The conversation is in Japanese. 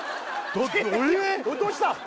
どうした？